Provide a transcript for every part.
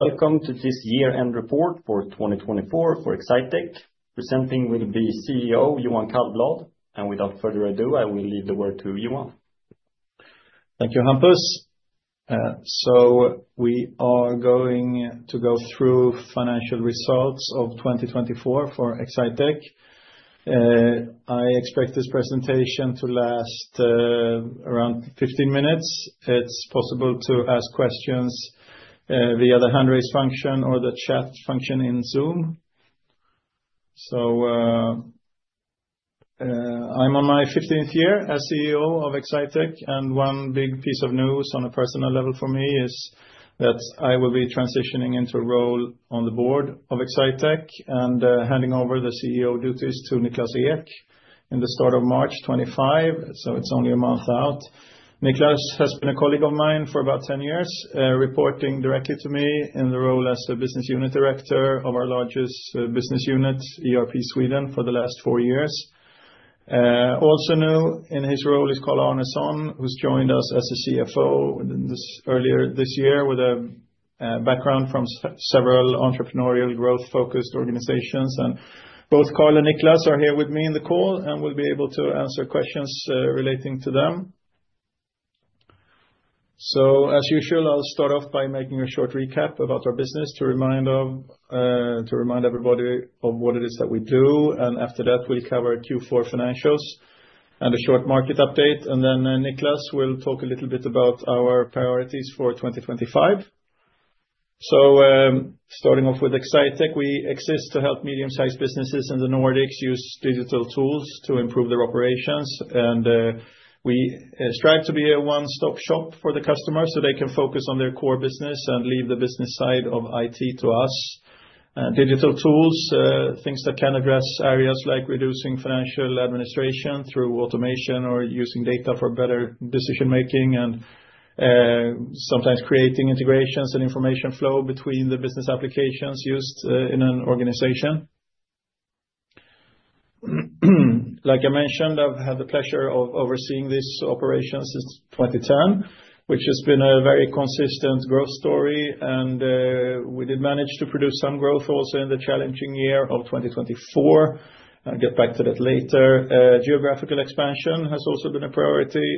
Welcome to this year-end report for 2024 for Exsitec. Presenting will be CEO Johan Källblad, and without further ado, I will leave the word to Johan. Thank you, Hampus. So we are going to go through financial results of 2024 for Exsitec. I expect this presentation to last around 15 minutes. It's possible to ask questions via the hand-raise function or the chat function in Zoom. So I'm on my 15th year as CEO of Exsitec, and one big piece of news on a personal level for me is that I will be transitioning into a role on the board of Exsitec and handing over the CEO duties to Niklas Ek in the start of March 2025. So it's only a month out. Niklas has been a colleague of mine for about 10 years, reporting directly to me in the role as the business unit director of our largest business unit, ERP Sweden, for the last four years. Also new in his role is Carl Arnesson, who's joined us as a CFO earlier this year with a background from several entrepreneurial growth-focused organizations. And both Carl and Niklas are here with me in the call and will be able to answer questions relating to them. So as usual, I'll start off by making a short recap about our business to remind everybody of what it is that we do. And after that, we'll cover Q4 financials and a short market update. And then Niklas will talk a little bit about our priorities for 2025. So starting off with Exsitec, we exist to help medium-sized businesses in the Nordics use digital tools to improve their operations. And we strive to be a one-stop shop for the customer so they can focus on their core business and leave the business side of IT to us. Digital tools, things that can address areas like reducing financial administration through automation or using data for better decision-making and sometimes creating integrations and information flow between the business applications used in an organization. Like I mentioned, I've had the pleasure of overseeing this operation since 2010, which has been a very consistent growth story. And we did manage to produce some growth also in the challenging year of 2024. I'll get back to that later. Geographical expansion has also been a priority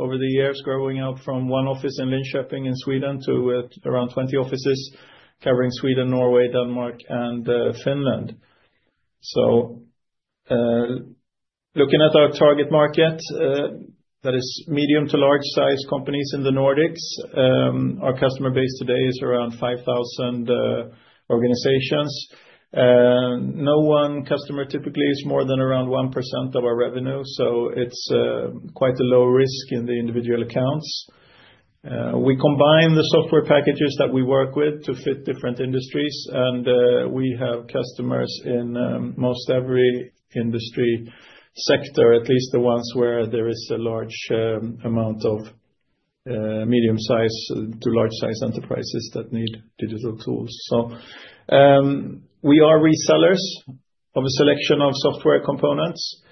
over the years, growing up from one office in Linköping in Sweden to around 20 offices covering Sweden, Norway, Denmark, and Finland. So looking at our target market, that is medium to large-sized companies in the Nordics. Our customer base today is around 5,000 organizations. No one customer typically is more than around 1% of our revenue, so it's quite a low risk in the individual accounts. We combine the software packages that we work with to fit different industries, and we have customers in most every industry sector, at least the ones where there is a large amount of medium-sized to large-sized enterprises that need digital tools. So we are resellers of a selection of software components,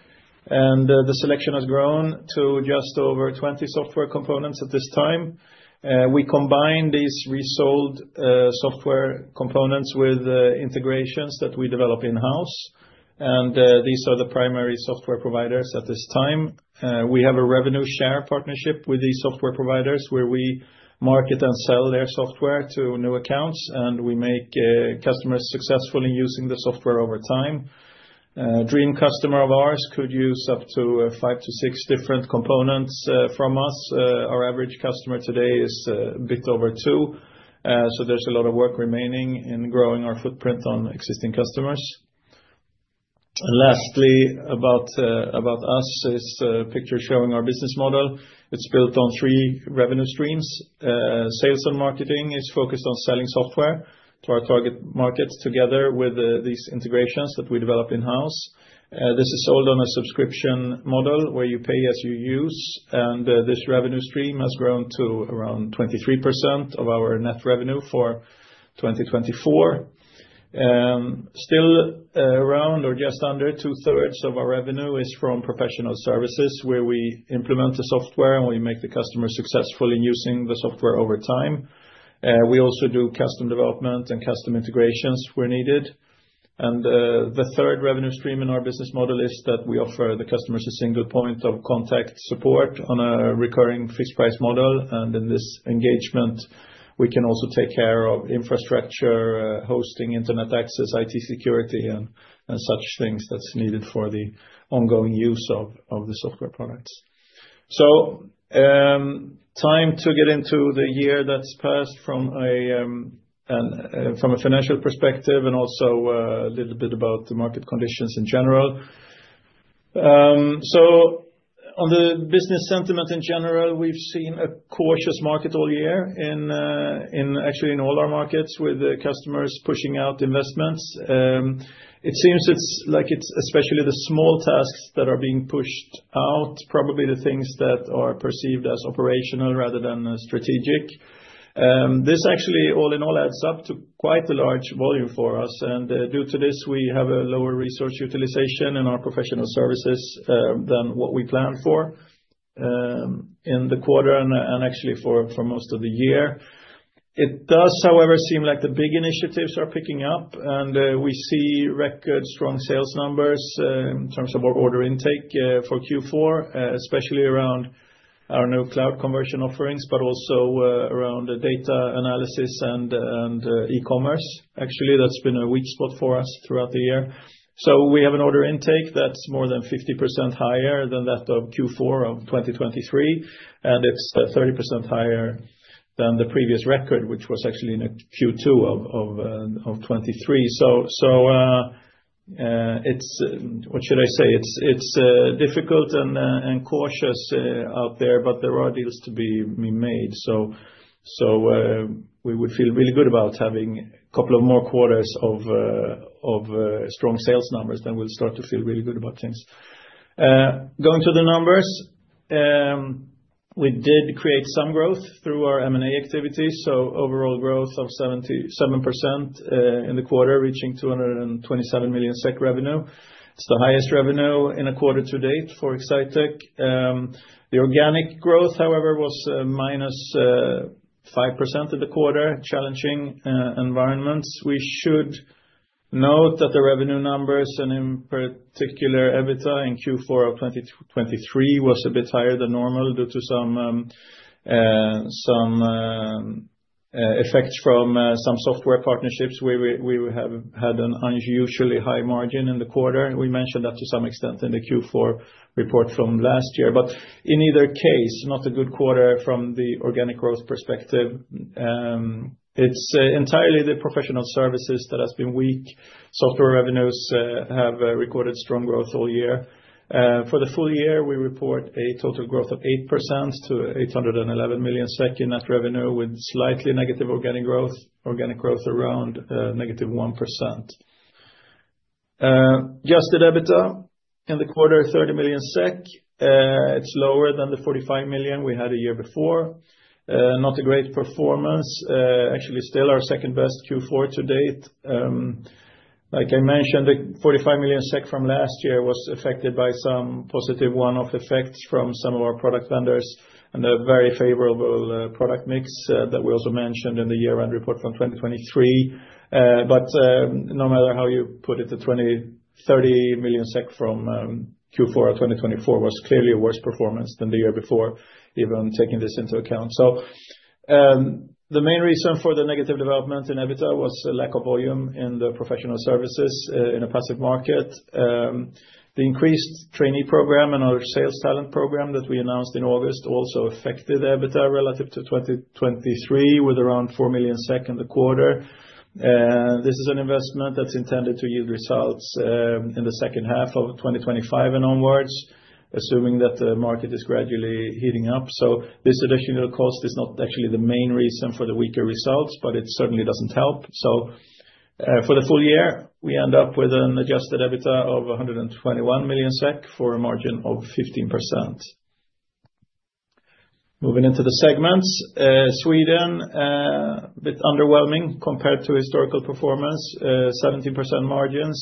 and the selection has grown to just over 20 software components at this time. We combine these resold software components with integrations that we develop in-house, and these are the primary software providers at this time. We have a revenue share partnership with these software providers where we market and sell their software to new accounts, and we make customers successful in using the software over time. A dream customer of ours could use up to five to six different components from us. Our average customer today is a bit over two, so there's a lot of work remaining in growing our footprint on existing customers, and lastly, about us, this picture showing our business model. It's built on three revenue streams. Sales and marketing is focused on selling software to our target markets together with these integrations that we develop in-house. This is sold on a subscription model where you pay as you use, and this revenue stream has grown to around 23% of our net revenue for 2024. Still around or just under two-thirds of our revenue is from professional services where we implement the software and we make the customer successful in using the software over time. We also do custom development and custom integrations where needed. And the third revenue stream in our business model is that we offer the customers a single point of contact support on a recurring fixed-price model. And in this engagement, we can also take care of infrastructure, hosting, internet access, IT security, and such things that's needed for the ongoing use of the software products. So time to get into the year that's passed from a financial perspective and also a little bit about the market conditions in general. So on the business sentiment in general, we've seen a cautious market all year, actually in all our markets, with customers pushing out investments. It seems like it's especially the small tasks that are being pushed out, probably the things that are perceived as operational rather than strategic. This actually, all in all, adds up to quite a large volume for us. Due to this, we have a lower resource utilization in our professional services than what we planned for in the quarter and actually for most of the year. It does, however, seem like the big initiatives are picking up, and we see record strong sales numbers in terms of our order intake for Q4, especially around our new cloud conversion offerings, but also around data analysis and e-commerce. Actually, that's been a weak spot for us throughout the year. We have an order intake that's more than 50% higher than that of Q4 of 2023, and it's 30% higher than the previous record, which was actually in Q2 of 2023. What should I say? It's difficult and cautious out there, but there are deals to be made. So we would feel really good about having a couple of more quarters of strong sales numbers, then we'll start to feel really good about things. Going to the numbers, we did create some growth through our M&A activities. So overall growth of 77% in the quarter, reaching 227 million SEK revenue. It's the highest revenue in a quarter to date for Exsitec. The organic growth, however, was -5% in the quarter, challenging environments. We should note that the revenue numbers, and in particular EBITDA in Q4 of 2023, was a bit higher than normal due to some effects from some software partnerships. We have had an unusually high margin in the quarter. We mentioned that to some extent in the Q4 report from last year. But in either case, not a good quarter from the organic growth perspective. It's entirely the professional services that has been weak. Software revenues have recorded strong growth all year. For the full year, we report a total growth of 8% to 811 million in net revenue, with slightly negative organic growth, organic growth around negative 1%. Just did EBITDA in the quarter, 30 million SEK. It's lower than the 45 million we had a year before. Not a great performance. Actually, still our second best Q4 to date. Like I mentioned, the 45 million SEK from last year was affected by some positive one-off effects from some of our product vendors and a very favorable product mix that we also mentioned in the year-end report from 2023. But no matter how you put it, the 30 million SEK from Q4 of 2024 was clearly a worse performance than the year before, even taking this into account. The main reason for the negative development in EBITDA was a lack of volume in the professional services in a passive market. The increased trainee program and our sales talent program that we announced in August also affected EBITDA relative to 2023, with around 4 million SEK in the quarter. This is an investment that's intended to yield results in the second half of 2025 and onwards, assuming that the market is gradually heating up. This additional cost is not actually the main reason for the weaker results, but it certainly doesn't help. For the full year, we end up with an adjusted EBITDA of 121 million SEK for a margin of 15%. Moving into the segments, Sweden, a bit underwhelming compared to historical performance, 17% margins.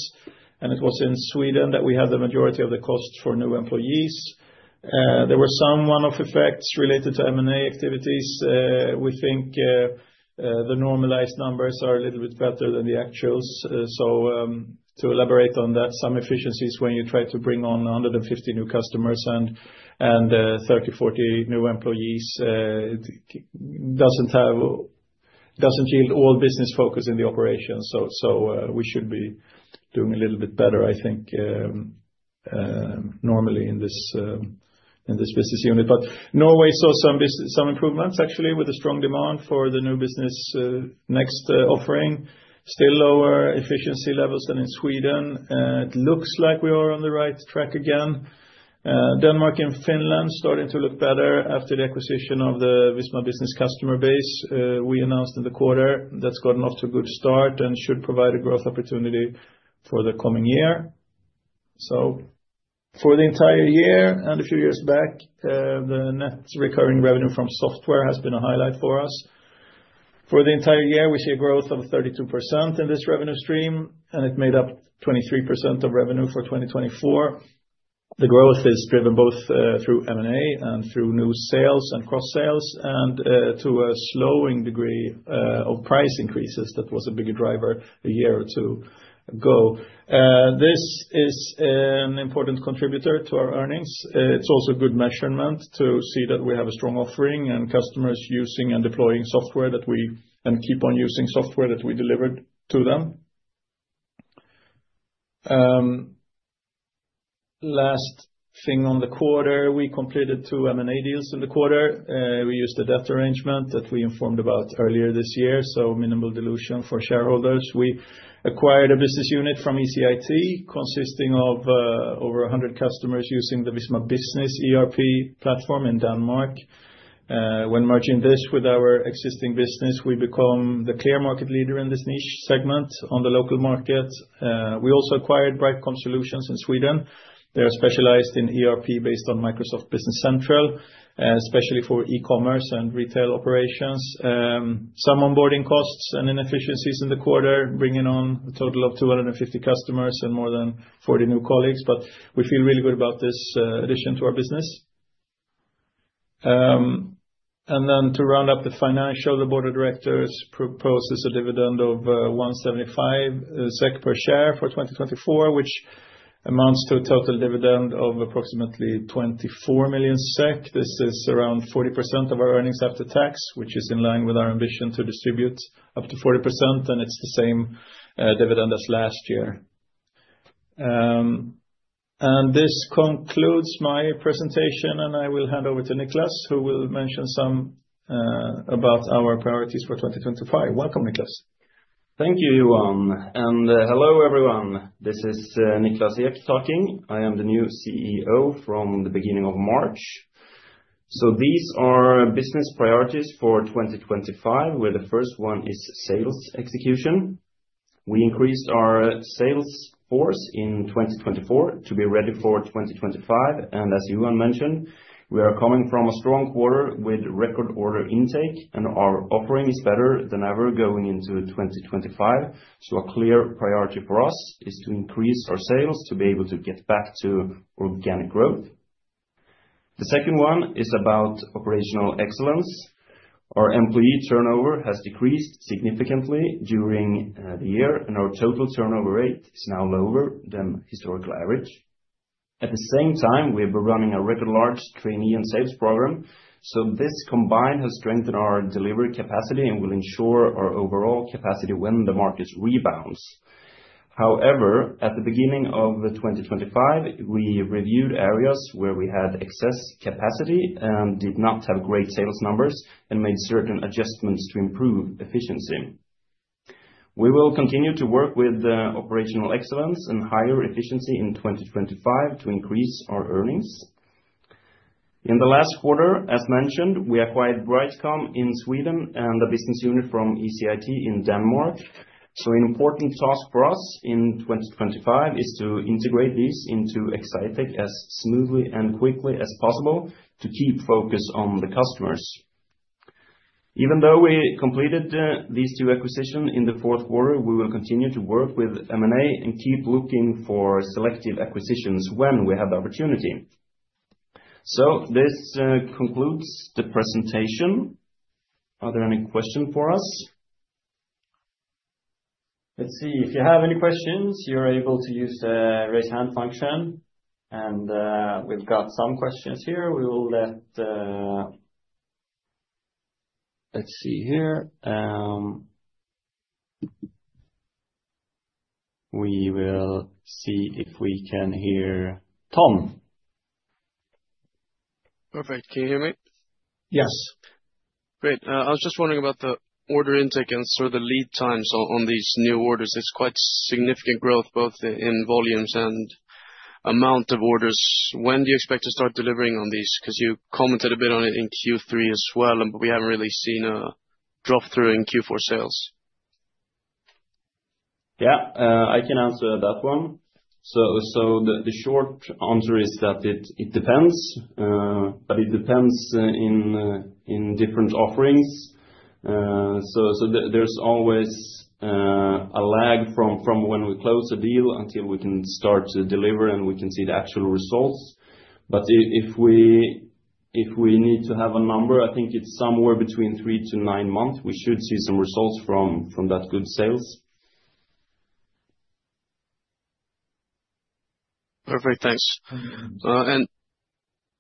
It was in Sweden that we had the majority of the cost for new employees. There were some one-off effects related to M&A activities. We think the normalized numbers are a little bit better than the actuals. So to elaborate on that, some efficiencies when you try to bring on 150 new customers and 30-40 new employees doesn't yield all business focus in the operations. So we should be doing a little bit better, I think, normally in this business unit. But Norway saw some improvements, actually, with a strong demand for the new Business NXT offering. Still lower efficiency levels than in Sweden. It looks like we are on the right track again. Denmark and Finland starting to look better after the acquisition of the Visma Business customer base we announced in the quarter. That's gotten off to a good start and should provide a growth opportunity for the coming year. So for the entire year and a few years back, the net recurring revenue from software has been a highlight for us. For the entire year, we see a growth of 32% in this revenue stream, and it made up 23% of revenue for 2024. The growth is driven both through M&A and through new sales and cross-sales and to a slowing degree of price increases. That was a bigger driver a year or two ago. This is an important contributor to our earnings. It's also a good measurement to see that we have a strong offering and customers using and deploying software that we and keep on using software that we delivered to them. Last thing on the quarter, we completed two M&A deals in the quarter. We used a debt arrangement that we informed about earlier this year, so minimal dilution for shareholders. We acquired a business unit from ECIT consisting of over 100 customers using the Visma Business ERP platform in Denmark. When merging this with our existing business, we become the clear market leader in this niche segment on the local market. We also acquired BrightCom Solutions in Sweden. They are specialized in ERP based on Microsoft Business Central, especially for e-commerce and retail operations. Some onboarding costs and inefficiencies in the quarter bringing on a total of 250 customers and more than 40 new colleagues, but we feel really good about this addition to our business, and then to round up the financial, the board of directors proposes a dividend of 175 SEK per share for 2024, which amounts to a total dividend of approximately 24 million SEK. This is around 40% of our earnings after tax, which is in line with our ambition to distribute up to 40%, and it's the same dividend as last year. And this concludes my presentation, and I will hand over to Niklas, who will mention some about our priorities for 2025. Welcome, Niklas. Thank you, Johan. And hello, everyone. This is Niklas Ek talking. I am the new CEO from the beginning of March. So these are business priorities for 2025, where the first one is sales execution. We increased our sales force in 2024 to be ready for 2025. And as Johan mentioned, we are coming from a strong quarter with record order intake, and our offering is better than ever going into 2025. So a clear priority for us is to increase our sales to be able to get back to organic growth. The second one is about operational excellence. Our employee turnover has decreased significantly during the year, and our total turnover rate is now lower than historical average. At the same time, we have been running a record large trainee and sales program. So this combined has strengthened our delivery capacity and will ensure our overall capacity when the markets rebounds. However, at the beginning of 2025, we reviewed areas where we had excess capacity and did not have great sales numbers and made certain adjustments to improve efficiency. We will continue to work with operational excellence and higher efficiency in 2025 to increase our earnings. In the last quarter, as mentioned, we acquired BrightCom in Sweden and a business unit from ECIT in Denmark. So an important task for us in 2025 is to integrate these into Exsitec as smoothly and quickly as possible to keep focus on the customers. Even though we completed these two acquisitions in the fourth quarter, we will continue to work with M&A and keep looking for selective acquisitions when we have the opportunity. So this concludes the presentation. Are there any questions for us? Let's see. If you have any questions, you're able to use the raise hand function. And we've got some questions here. Let's see here. We'll see if we can hear Tom. Perfect. Can you hear me? Yes. Great. I was just wondering about the order intake and sort of the lead times on these new orders. It's quite significant growth, both in volumes and amount of orders. When do you expect to start delivering on these? Because you commented a bit on it in Q3 as well, but we haven't really seen a drop through in Q4 sales. Yeah, I can answer that one. So the short answer is that it depends, but it depends in different offerings. So there's always a lag from when we close a deal until we can start to deliver and we can see the actual results. But if we need to have a number, I think it's somewhere between three to nine months; we should see some results from that good sales. Perfect. Thanks. And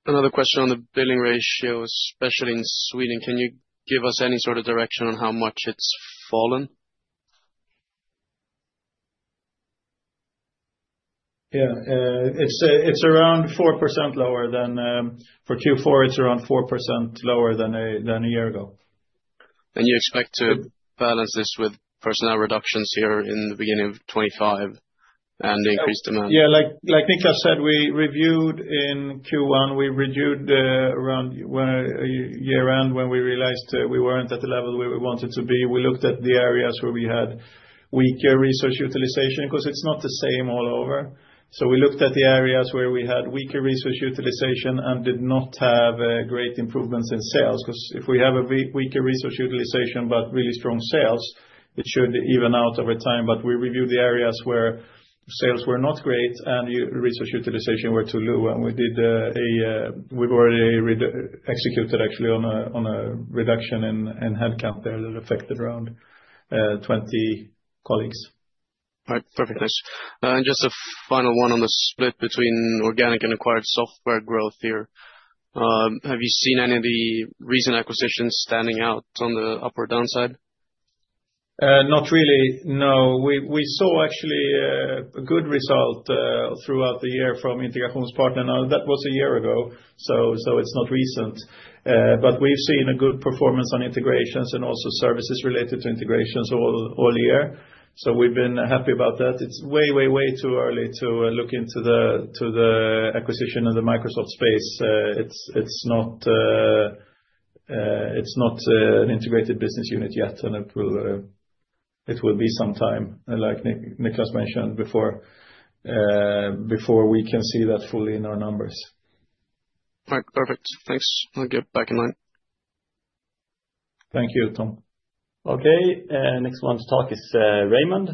another question on the billing ratio, especially in Sweden. Can you give us any sort of direction on how much it's fallen? Yeah. It's around 4% lower than for Q4. It's around 4% lower than a year ago. And you expect to balance this with personnel reductions here in the beginning of 2025 and the increased demand? Yeah. Like Niklas said, we reviewed in Q1; we reviewed around year-end when we realized we weren't at the level where we wanted to be. We looked at the areas where we had weaker resource utilization because it's not the same all over, so we looked at the areas where we had weaker resource utilization and did not have great improvements in sales. Because if we have a weaker resource utilization but really strong sales, it should even out over time, but we reviewed the areas where sales were not great and resource utilization were too low, and we've already executed actually on a reduction in headcount there that affected around 20 colleagues. Perfect. Thanks, and just a final one on the split between organic and acquired software growth here. Have you seen any of the recent acquisitions standing out on the up or downside? Not really. No. We saw actually a good result throughout the year from Integrasjonspartner. Now, that was a year ago, so it's not recent. But we've seen a good performance on integrations and also services related to integrations all year. So we've been happy about that. It's way, way, way too early to look into the acquisition of the Microsoft space. It's not an integrated business unit yet, and it will be some time, like Niklas mentioned before, before we can see that fully in our numbers. Perfect. Thanks. I'll get back in line. Thank you, Tom. Okay. Next one to talk is Raymond.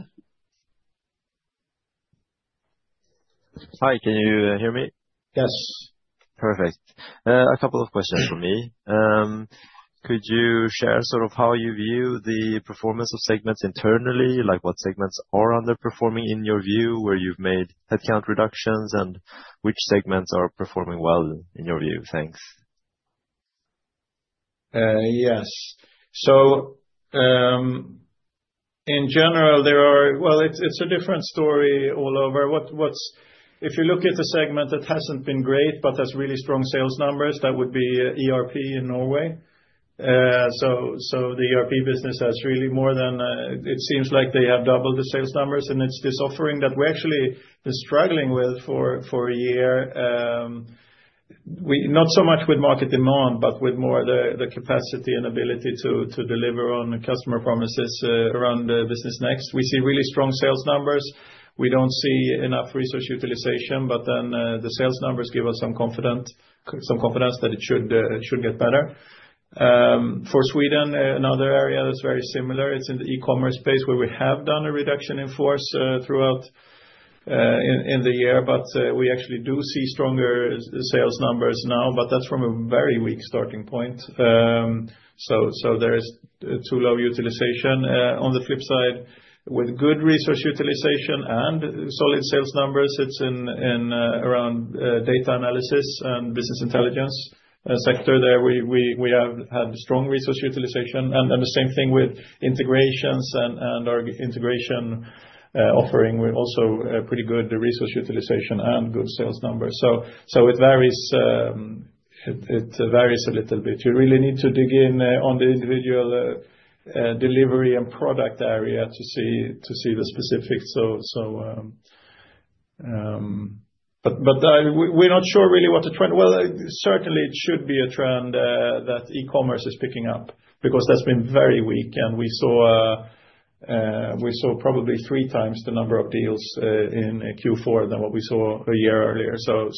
Hi. Can you hear me? Yes. Perfect. A couple of questions for me. Could you share sort of how you view the performance of segments internally, like what segments are underperforming in your view, where you've made headcount reductions, and which segments are performing well in your view? Thanks. Yes. So in general, there are, well, it's a different story all over. If you look at a segment that hasn't been great but has really strong sales numbers, that would be ERP in Norway. So the ERP business has really more than it seems like they have doubled the sales numbers, and it's this offering that we're actually struggling with for a year. Not so much with market demand, but with more the capacity and ability to deliver on customer promises around Business NXT. We see really strong sales numbers. We don't see enough resource utilization, but then the sales numbers give us some confidence that it should get better. For Sweden, another area that's very similar, it's in the e-commerce space where we have done a reduction in force throughout the year, but we actually do see stronger sales numbers now, but that's from a very weak starting point. So there is too low utilization. On the flip side, with good resource utilization and solid sales numbers, it's in around data analysis and business intelligence sector. There we have had strong resource utilization. And the same thing with integrations and our integration offering. We're also pretty good at resource utilization and good sales numbers. So it varies a little bit. You really need to dig in on the individual delivery and product area to see the specifics. But we're not sure really what the trend well, certainly it should be a trend that e-commerce is picking up because that's been very weak. And we saw probably three times the number of deals in Q4 than what we saw a year earlier.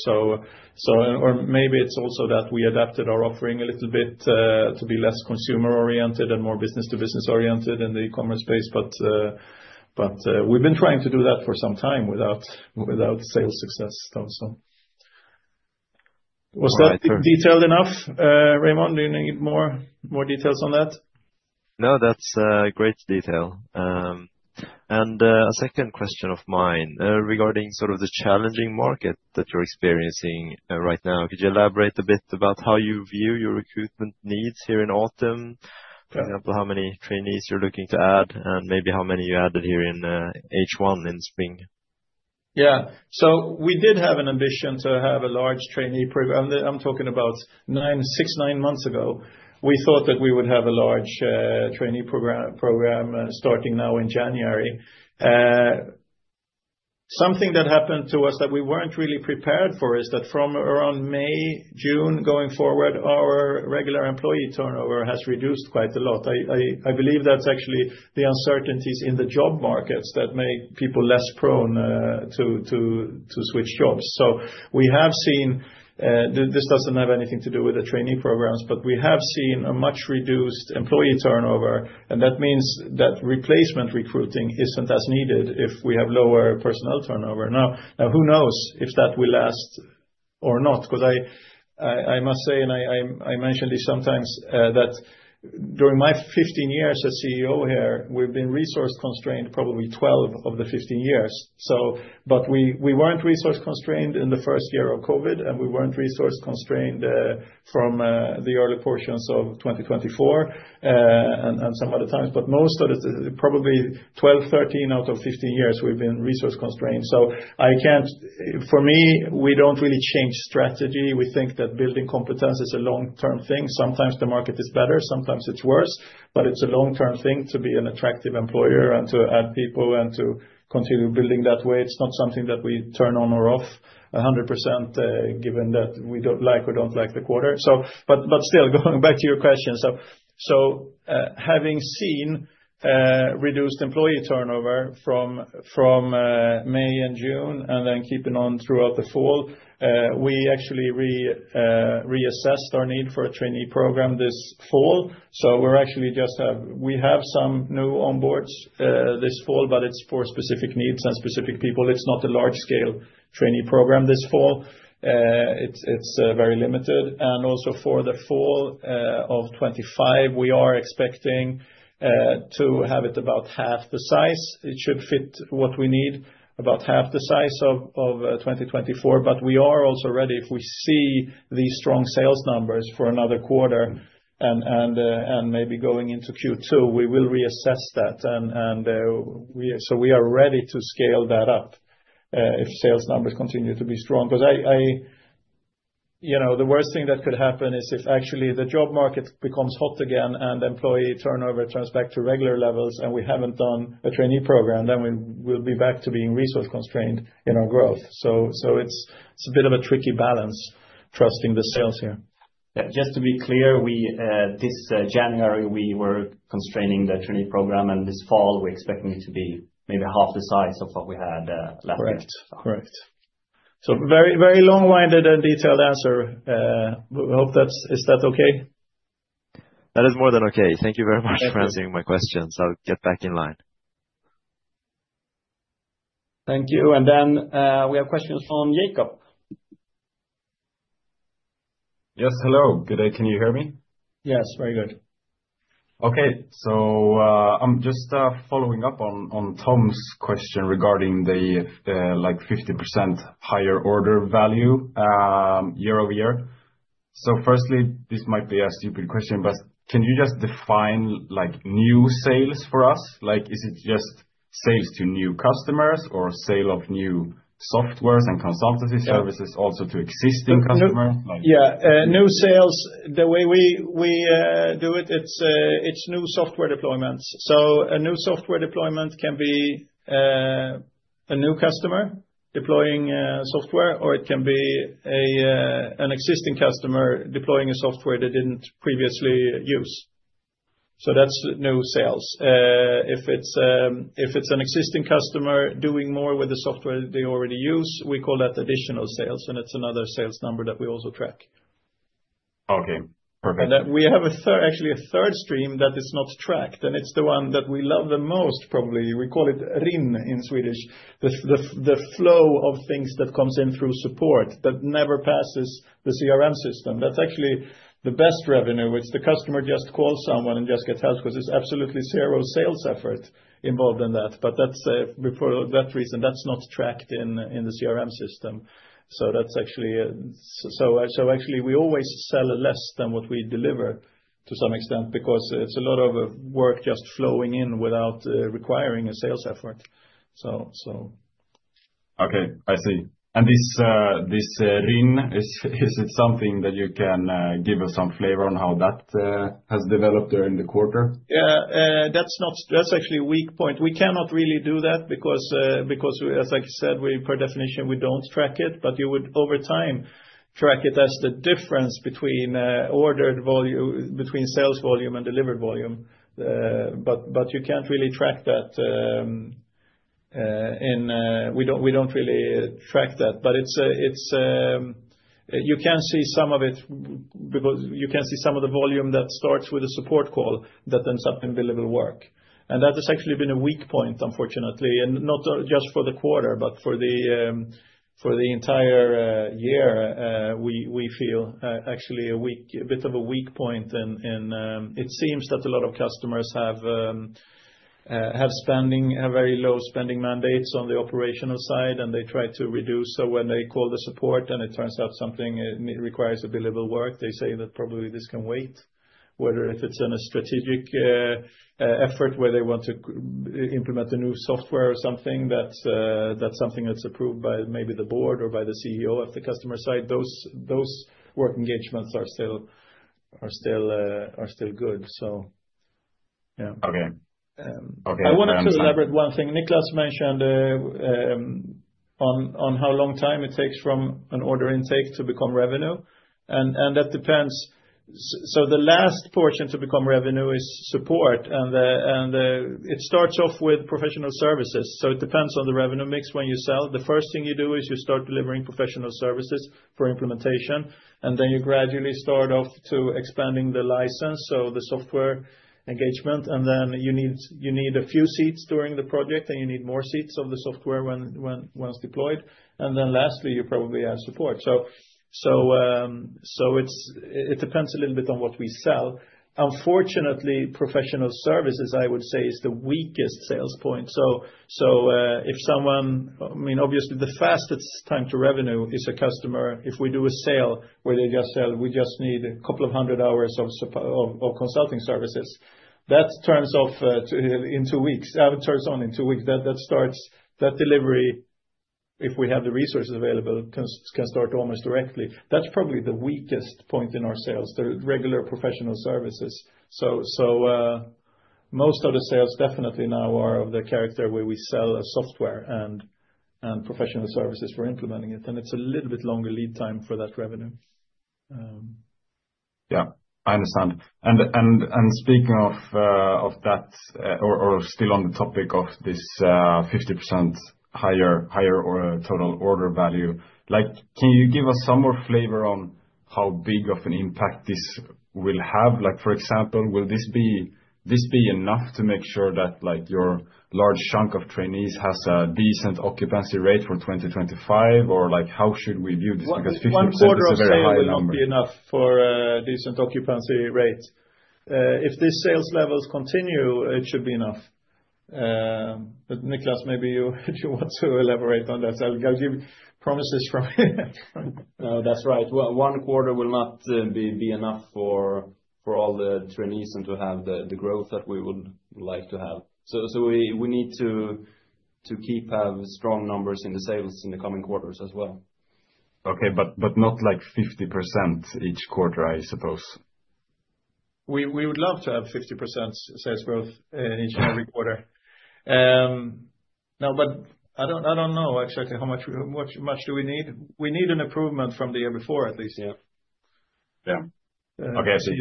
Or maybe it's also that we adapted our offering a little bit to be less consumer-oriented and more business-to-business-oriented in the e-commerce space. But we've been trying to do that for some time without sales success, though. Was that detailed enough, Raymond? Do you need more details on that? No, that's a great detail. And a second question of mine regarding sort of the challenging market that you're experiencing right now. Could you elaborate a bit about how you view your recruitment needs here in autumn? For example, how many trainees you're looking to add and maybe how many you added here in H1 in spring? Yeah. So we did have an ambition to have a large trainee program. I'm talking about six, nine months ago. We thought that we would have a large trainee program starting now in January. Something that happened to us that we weren't really prepared for is that from around May, June going forward, our regular employee turnover has reduced quite a lot. I believe that's actually the uncertainties in the job markets that make people less prone to switch jobs. So we have seen this doesn't have anything to do with the trainee programs, but we have seen a much reduced employee turnover, and that means that replacement recruiting isn't as needed if we have lower personnel turnover. Now, who knows if that will last or not? Because I must say, and I mentioned this sometimes, that during my 15 years as CEO here, we've been resource-constrained probably 12 of the 15 years. But we weren't resource-constrained in the first year of COVID, and we weren't resource-constrained from the early portions of 2024 and some other times. But most of the probably 12, 13 out of 15 years, we've been resource-constrained. So for me, we don't really change strategy. We think that building competence is a long-term thing. Sometimes the market is better. Sometimes it's worse, but it's a long-term thing to be an attractive employer and to add people and to continue building that way. It's not something that we turn on or off 100% given that we don't like or don't like the quarter. But still, going back to your question, so having seen reduced employee turnover from May and June and then keeping on throughout the fall, we actually reassessed our need for a trainee program this fall. So we actually just have some new onboards this fall, but it's for specific needs and specific people. It's not a large-scale trainee program this fall. It's very limited. And also for the fall of 2025, we are expecting to have it about half the size. It should fit what we need, about half the size of 2024. But we are also ready if we see these strong sales numbers for another quarter and maybe going into Q2, we will reassess that. And so we are ready to scale that up if sales numbers continue to be strong. Because the worst thing that could happen is if actually the job market becomes hot again and employee turnover turns back to regular levels and we haven't done a trainee program, then we'll be back to being resource-constrained in our growth. So it's a bit of a tricky balance trusting the sales here. Just to be clear, this January, we were constraining the trainee program, and this fall, we're expecting it to be maybe half the size of what we had last year. Correct. Correct. So very long-winded and detailed answer. Is that okay? That is more than okay. Thank you very much for answering my questions. I'll get back in line. Thank you. And then we have questions from Jacob. Yes. Hello. Can you hear me? Yes. Very good. Okay. So I'm just following up on Tom's question regarding the 50% higher order value year over year. So firstly, this might be a stupid question, but can you just define new sales for us? Is it just sales to new customers or sale of new software and consultancy services also to existing customers? Yeah. New sales, the way we do it, it's new software deployments. So a new software deployment can be a new customer deploying software, or it can be an existing customer deploying a software they didn't previously use. So that's new sales. If it's an existing customer doing more with the software they already use, we call that additional sales, and it's another sales number that we also track. Okay. Perfect. We have actually a third stream that is not tracked, and it's the one that we love the most, probably. We call it RIM in Swedish, the flow of things that comes in through support that never passes the CRM system. That's actually the best revenue. It's the customer just calls someone and just gets help because there's absolutely zero sales effort involved in that. But for that reason, that's not tracked in the CRM system, so actually, we always sell less than what we deliver to some extent because it's a lot of work just flowing in without requiring a sales effort, so. Okay. I see. This RIM, is it something that you can give us some flavor on how that has developed during the quarter? Yeah. That's actually a weak point. We cannot really do that because, as I said, per definition, we don't track it, but you would over time track it as the difference between ordered volume, between sales volume and delivered volume. But you can't really track that. We don't really track that. But you can see some of it because you can see some of the volume that starts with a support call that ends up in billable work. And that has actually been a weak point, unfortunately. And not just for the quarter, but for the entire year, we feel actually a bit of a weak point. And it seems that a lot of customers have very low spending mandates on the operational side, and they try to reduce it. So when they call the support and it turns out something requires billable work, they say that probably this can wait, whether if it's in a strategic effort where they want to implement a new software or something, that's something that's approved by maybe the board or by the CEO of the customer side. Those work engagements are still good, so. Yeah. Okay. Okay. I wanted to elaborate one thing. Niklas mentioned on how long time it takes from an order intake to become revenue. And that depends. So the last portion to become revenue is support, and it starts off with professional services. So it depends on the revenue mix when you sell. The first thing you do is you start delivering professional services for implementation, and then you gradually start off to expanding the license, so the software engagement. And then you need a few seats during the project, and you need more seats of the software once deployed. And then lastly, you probably add support. So it depends a little bit on what we sell. Unfortunately, professional services, I would say, is the weakest sales point. So if someone I mean, obviously, the fastest time to revenue is a customer. If we do a sale where they just sell, we just need a couple of hundred hours of consulting services. That turns off in two weeks. That turns on in two weeks. That delivery, if we have the resources available, can start almost directly. That's probably the weakest point in our sales, the regular professional services. So most of the sales definitely now are of the character where we sell software and professional services for implementing it. And it's a little bit longer lead time for that revenue. Yeah. I understand. And speaking of that, or still on the topic of this 50% higher total order value, can you give us some more flavor on how big of an impact this will have? For example, will this be enough to make sure that your large chunk of trainees has a decent occupancy rate for 2025? Or how should we view this? Because 50% is a very high number. I think this should be enough for a decent occupancy rate. If these sales levels continue, it should be enough. But Niklas, maybe you want to elaborate on that. I'll give promises from here. No, that's right. One quarter will not be enough for all the trainees and to have the growth that we would like to have. So we need to keep strong numbers in the sales in the coming quarters as well. Okay. But not like 50% each quarter, I suppose. We would love to have 50% sales growth in each and every quarter. But I don't know exactly how much do we need. We need an improvement from the year before, at least. Yeah. Yeah. Okay. I see.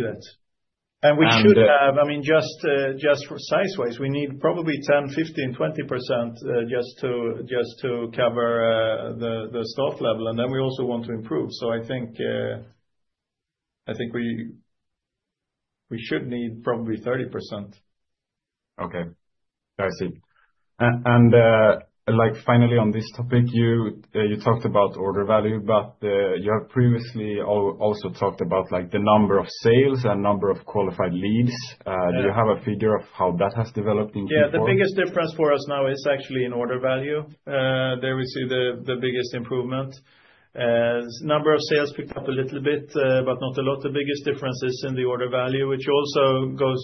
And we should have, I mean, just size-wise, we need probably 10%, 15%, 20% just to cover the stock level. And then we also want to improve. So I think we should need probably 30%. Okay. I see. And finally, on this topic, you talked about order value, but you have previously also talked about the number of sales and number of qualified leads. Do you have a figure of how that has developed in Q4? Yeah. The biggest difference for us now is actually in order value. There we see the biggest improvement. Number of sales picked up a little bit, but not a lot. The biggest difference is in the order value, which also goes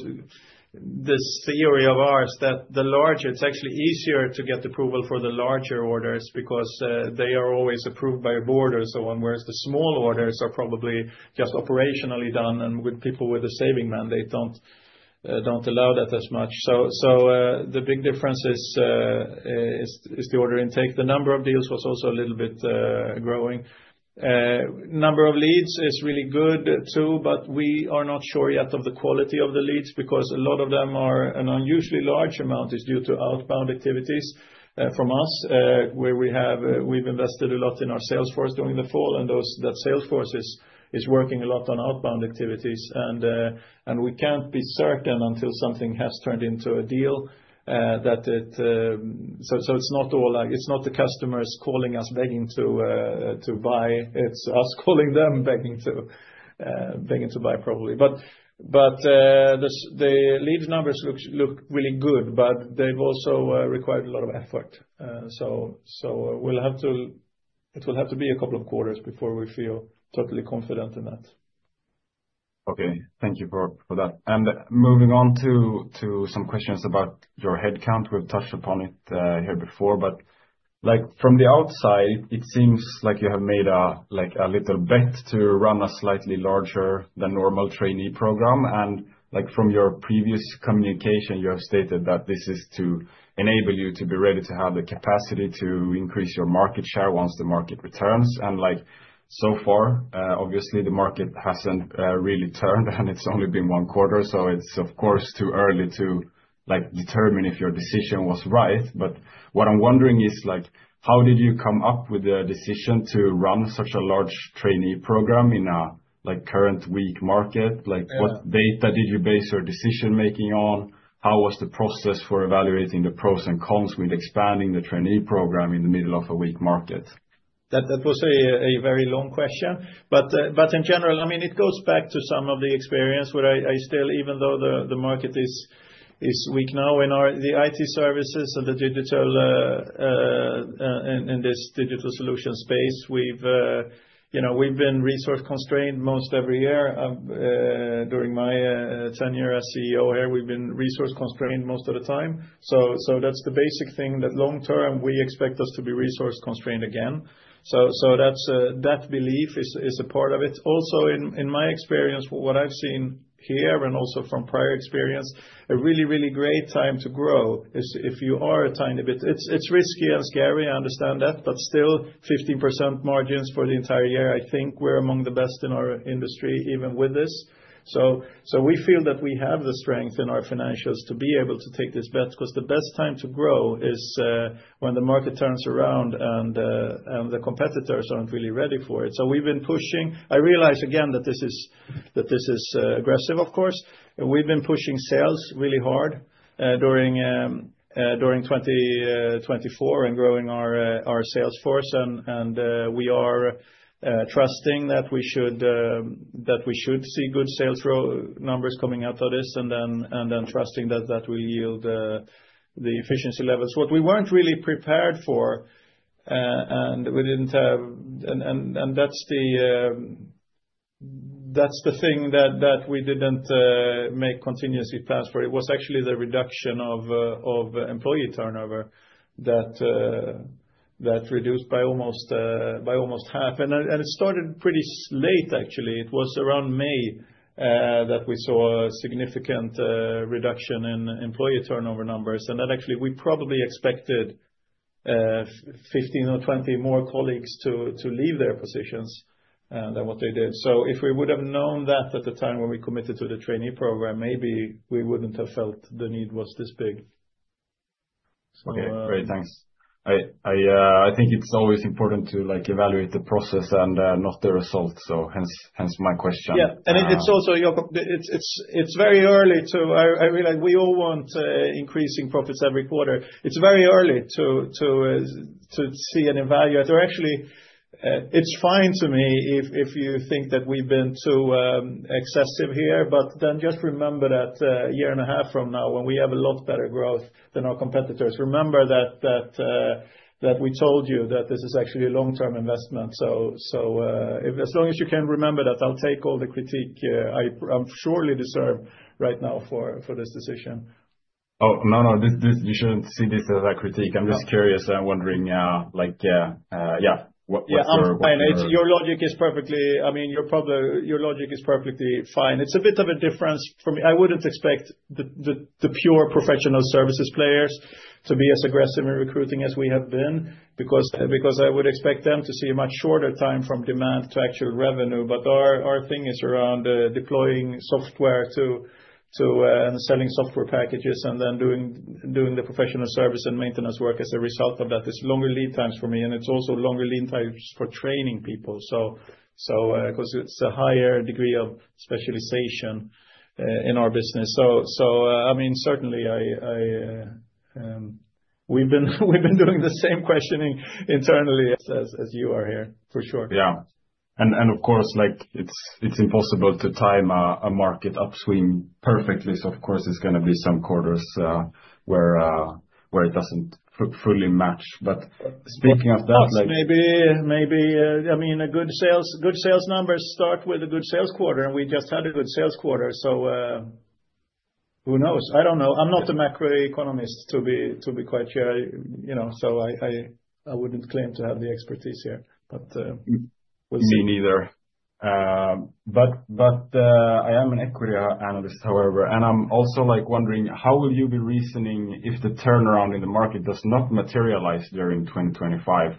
the theory of ours that it's actually easier to get approval for the larger orders because they are always approved by a board or so on, whereas the small orders are probably just operationally done, and people with a saving mandate don't allow that as much. So the big difference is the order intake. The number of deals was also a little bit growing. Number of leads is really good too, but we are not sure yet of the quality of the leads because a lot of them are an unusually large amount is due to outbound activities from us, where we've invested a lot in our sales force during the fall, and that sales force is working a lot on outbound activities. We can't be certain until something has turned into a deal. That it's not all like it's not the customers calling us begging to buy. It's us calling them begging to buy probably. But the lead numbers look really good, but they've also required a lot of effort. It will have to be a couple of quarters before we feel totally confident in that. Okay. Thank you for that. Moving on to some questions about your headcount. We've touched upon it here before. From the outside, it seems like you have made a little bet to run a slightly larger than normal trainee program. From your previous communication, you have stated that this is to enable you to be ready to have the capacity to increase your market share once the market returns. And so far, obviously, the market hasn't really turned, and it's only been one quarter. So it's, of course, too early to determine if your decision was right. But what I'm wondering is, how did you come up with the decision to run such a large trainee program in a current weak market? What data did you base your decision-making on? How was the process for evaluating the pros and cons with expanding the trainee program in the middle of a weak market? That was a very long question. But in general, I mean, it goes back to some of the experience where I still, even though the market is weak now in the IT services and the digital in this digital solution space, we've been resource-constrained most every year. During my tenure as CEO here, we've been resource-constrained most of the time. So that's the basic thing that long-term, we expect us to be resource-constrained again. So that belief is a part of it. Also, in my experience, what I've seen here and also from prior experience, a really, really great time to grow is if you are a tiny bit. It's risky and scary. I understand that. But still, 15% margins for the entire year, I think we're among the best in our industry even with this. So we feel that we have the strength in our financials to be able to take this bet because the best time to grow is when the market turns around and the competitors aren't really ready for it. So we've been pushing. I realize again that this is aggressive, of course. We've been pushing sales really hard during 2024 and growing our sales force. We are trusting that we should see good sales numbers coming out of this and then trusting that that will yield the efficiency levels. What we weren't really prepared for, and we didn't have and that's the thing that we didn't make contingency plans for. It was actually the reduction of employee turnover that reduced by almost half. It started pretty late, actually. It was around May that we saw a significant reduction in employee turnover numbers. Then actually, we probably expected 15 or 20 more colleagues to leave their positions than what they did. If we would have known that at the time when we committed to the trainee program, maybe we wouldn't have felt the need was this big. Okay. Great. Thanks. I think it's always important to evaluate the process and not the result. Hence my question. Yeah. It's also very early too. I realize we all want increasing profits every quarter. It's very early to see and evaluate. Actually, it's fine to me if you think that we've been too excessive here, but then just remember that a year and a half from now, when we have a lot better growth than our competitors, remember that we told you that this is actually a long-term investment. So as long as you can remember that, I'll take all the critique I surely deserve right now for this decision. Oh, no, no. You shouldn't see this as a critique. I'm just curious. I'm wondering, yeah, what's your opinion? I mean, your logic is perfectly fine. It's a bit of a difference for me. I wouldn't expect the pure professional services players to be as aggressive in recruiting as we have been because I would expect them to see a much shorter time from demand to actual revenue. But our thing is around deploying software and selling software packages and then doing the professional service and maintenance work as a result of that. It's longer lead times for me, and it's also longer lead times for training people because it's a higher degree of specialization in our business. So I mean, certainly, we've been doing the same questioning internally. As you are here, for sure. Yeah. And of course, it's impossible to time a market upswing perfectly. So of course, there's going to be some quarters where it doesn't fully match. But speaking of that. Maybe, I mean, good sales numbers start with a good sales quarter, and we just had a good sales quarter. So who knows? I don't know. I'm not a macroeconomist, to be quite sure. So I wouldn't claim to have the expertise here, but we'll see. Me neither, but I am an equity analyst, however, and I'm also wondering, how will you be reasoning if the turnaround in the market does not materialize during 2025?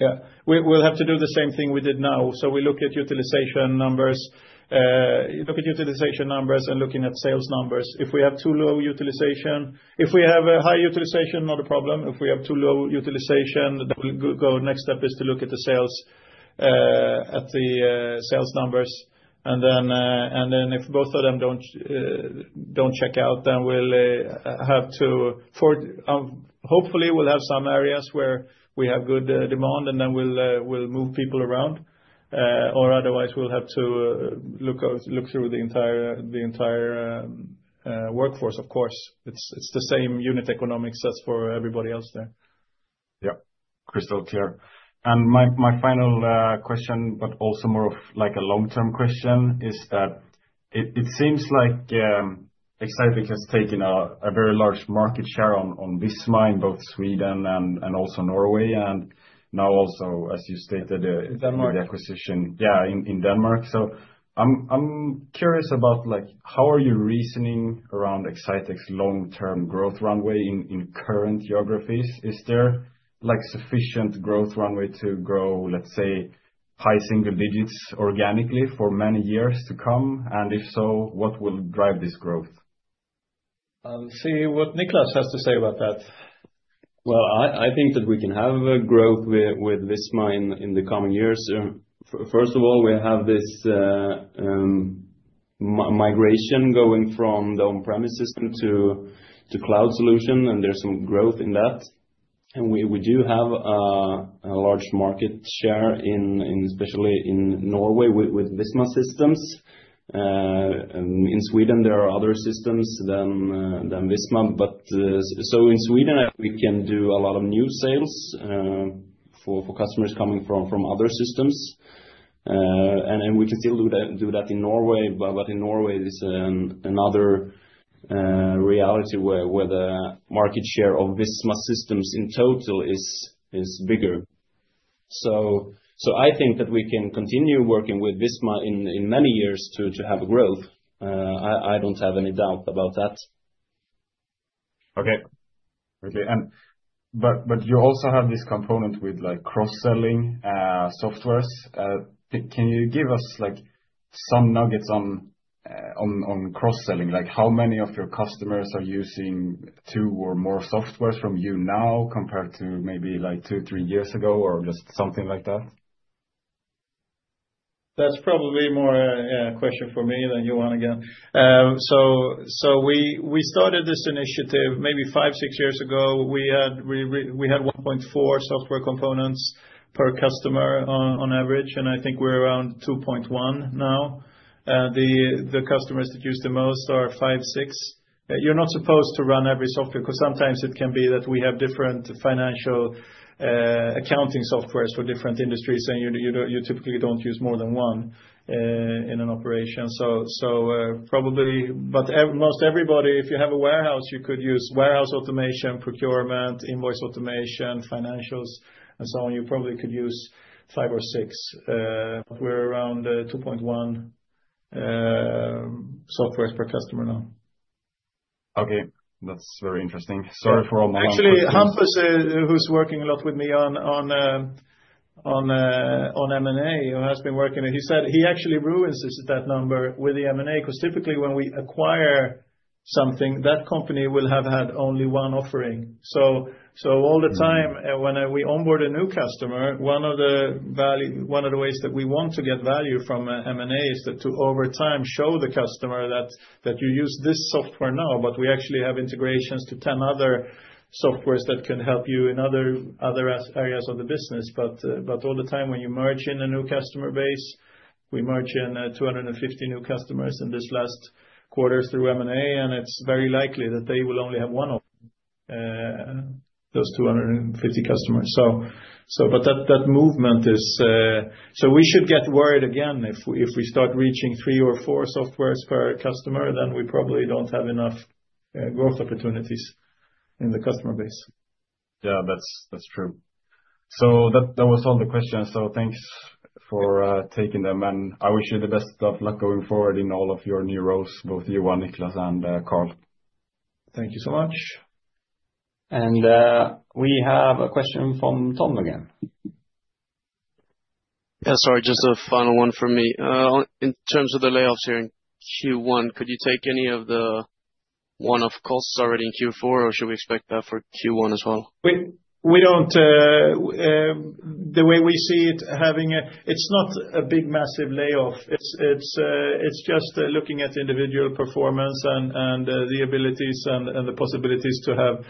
Yeah. We'll have to do the same thing we did now. So we look at utilization numbers. You look at utilization numbers and looking at sales numbers. If we have too low utilization if we have a high utilization, not a problem. If we have too low utilization, the next step is to look at the sales, at the sales numbers. And then if both of them don't check out, then we'll have to hopefully, we'll have some areas where we have good demand, and then we'll move people around. Or otherwise, we'll have to look through the entire workforce, of course. It's the same unit economics as for everybody else there. Yeah. Crystal clear. And my final question, but also more of a long-term question, is that it seems like Exsitec has taken a very large market share in this niche, both Sweden and also Norway, and now also, as you stated, the acquisition. Yeah, in Denmark. So I'm curious about how are you reasoning around Exsitec's long-term growth runway in current geographies? Is there sufficient growth runway to grow, let's say, high single digits organically for many years to come? And if so, what will drive this growth? See what Niklas has to say about that. I think that we can have growth with this main in the coming years. First of all, we have this migration going from the on-premise system to cloud solution, and there's some growth in that. We do have a large market share, especially in Norway, with Visma systems. In Sweden, there are other systems than Visma, so in Sweden we can do a lot of new sales for customers coming from other systems. We can still do that in Norway, but in Norway it's another reality where the market share of Visma systems in total is bigger, so I think that we can continue working with Visma in many years to have growth. I don't have any doubt about that. Okay. Okay. You also have this component with cross-selling softwares. Can you give us some nuggets on cross-selling? How many of your customers are using two or more softwares from you now compared to maybe two, three years ago or just something like that? That's probably more a question for me than you want again. So we started this initiative maybe five, six years ago. We had 1.4 software components per customer on average, and I think we're around 2.1 now. The customers that use the most are five, six. You're not supposed to run every software because sometimes it can be that we have different financial accounting softwares for different industries, and you typically don't use more than one in an operation. So probably, but most everybody, if you have a warehouse, you could use warehouse automation, procurement, invoice automation, financials, and so on. You probably could use five or six. But we're around 2.1 softwares per customer now. Okay. That's very interesting. Sorry for all my answers. Actually, Hampus, who's working a lot with me on M&A, who has been working with me, he said he actually runs that number with the M&A because typically when we acquire something, that company will have had only one offering. So all the time when we onboard a new customer, one of the ways that we want to get value from M&A is to over time show the customer that you use this software now, but we actually have integrations to 10 other softwares that can help you in other areas of the business. But all the time when you merge in a new customer base, we merge in 250 new customers in this last quarter through M&A, and it's very likely that they will only have one of those 250 customers. But that movement is slow so we should get worried again. If we start reaching three or four softwares per customer, then we probably don't have enough growth opportunities in the customer base. Yeah, that's true. So that was all the questions. So thanks for taking them. And I wish you the best of luck going forward in all of your new roles, both you, Niklas, and Carl. Thank you so much. And we have a question from Tom again. Yeah. Sorry, just a final one for me. In terms of the layoffs here in Q1, could you take any of the one-off costs already in Q4, or should we expect that for Q1 as well? The way we see it, it's not a big, massive layoff. It's just looking at individual performance and the abilities and the possibilities to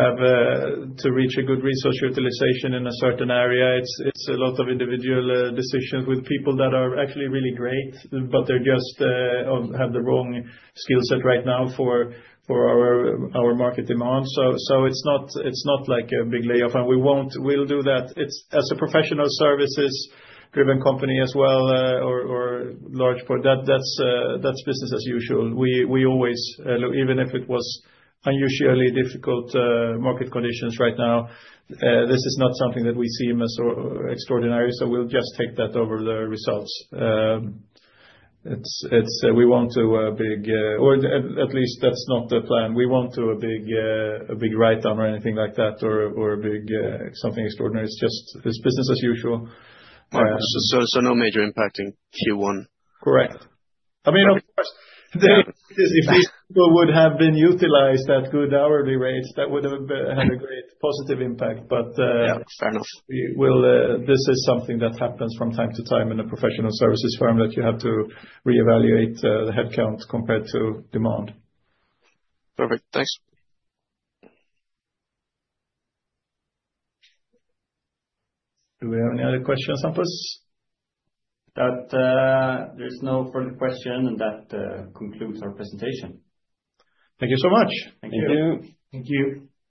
reach a good resource utilization in a certain area. It's a lot of individual decisions with people that are actually really great, but they just have the wrong skill set right now for our market demand. So it's not like a big layoff. And we'll do that. As a professional services-driven company as well or large part, that's business as usual. Even if it was unusually difficult market conditions right now, this is not something that we see as extraordinary. So we'll just take that over the results. We want to avoid a big, or at least that's not the plan. We want to avoid a big write-off or anything like that or a big something extraordinary. It's just business as usual. So no major impact in Q1. Correct. I mean, of course, if these people would have been utilized at good hourly rates, that would have had a great positive impact. But this is something that happens from time to time in a professional services firm that you have to reevaluate the headcount compared to demand. Perfect. Thanks. Do we have any other questions, Hampus? That there's no further question, and that concludes our presentation. Thank you so much. Thank you. Thank you.